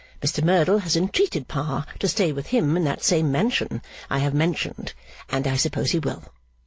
Mr Merdle has entreated Pa to stay with him in that same mansion I have mentioned, and I suppose he will.